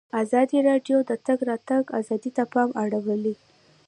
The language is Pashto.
ازادي راډیو د د تګ راتګ ازادي ته پام اړولی.